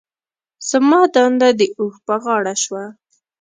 زما دنده د اوښ په غاړه شوه.